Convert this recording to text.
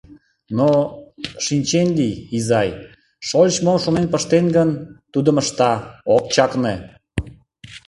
Но, шинчен лий, изай, шольыч мом шонен пыштен гын, тудым ышта, ок чакне!